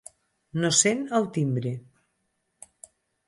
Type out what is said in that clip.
No sent el timbre.